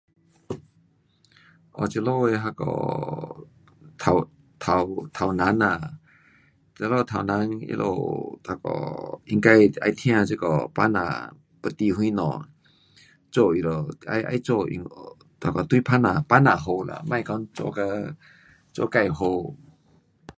哦，这里的那个头，头，头人呐，这里头人他们那个应该得要听这个百姓要得什么，做他们，要要做他，对百姓好啦，别讲做给，做自好。